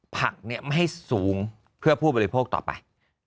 ผักไม่ให้สูงเพื่อผู้บริโภคต่อไป